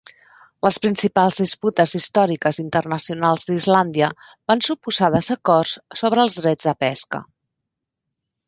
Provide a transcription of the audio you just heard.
Les principals disputes històriques internacionals d'Islàndia van suposar desacords sobre els drets de pesca.